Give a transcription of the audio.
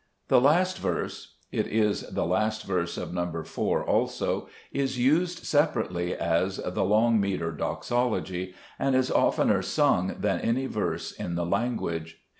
The last verse (it is the last verse of Xo. 4 also) is used separately as " The Long metre Doxology " and is oftener sung than any verse in the language.